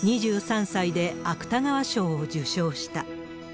２３歳で芥川賞を受賞した。